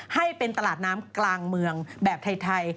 ให้เป็นตลาดน้ำกลางเมืองแบบไทย